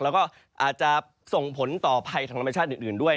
แล้วก็อาจจะส่งผลต่อภัยทางธรรมชาติอื่นด้วย